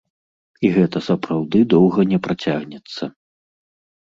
І гэта сапраўды доўга не працягнецца.